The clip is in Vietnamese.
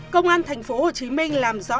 công an tp hcm làm rõ